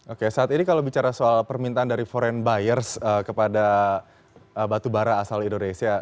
oke saat ini kalau bicara soal permintaan dari foreign buyers kepada batu bara asal indonesia